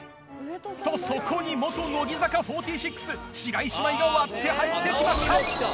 とそこに乃木坂４６白石麻衣が割って入って来ました！